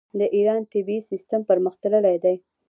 د ایران طبي سیستم پرمختللی دی.